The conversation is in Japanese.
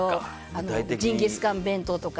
ジンギスカン弁当とか。